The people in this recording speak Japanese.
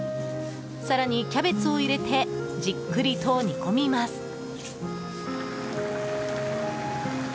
更に、キャベツを入れてじっくりと煮込みます。